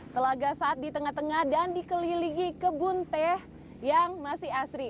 telaga saat di tengah tengah dan dikelilingi kebun teh yang masih asri